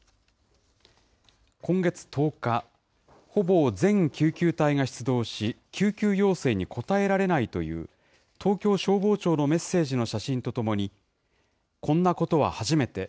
今月１０日、ほぼ全救急隊が出動し、救急要請に応えられないという東京消防庁のメッセージの写真とともに、こんなことは初めて。